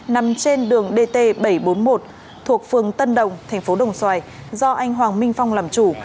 nằm trên đường dt bảy trăm bốn mươi một thuộc phường tân đồng thành phố đồng xoài do anh hoàng minh phong làm chủ